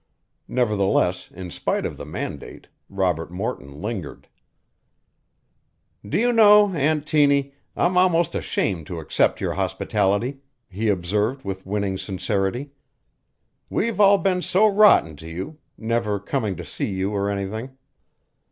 Nevertheless, in spite of the mandate, Robert Morton lingered. "Do you know, Aunt Tiny, I'm almost ashamed to accept your hospitality," he observed with winning sincerity. "We've all been so rotten to you never coming to see you or anything.